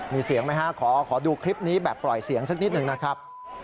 มีเสียงไหมฮะขอดูคลิปนี้แบบปล่อยเสียงสักนิดหนึ่งนะครับ